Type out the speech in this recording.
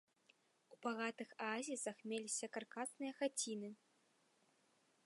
У багатых аазісах меліся каркасныя хаціны.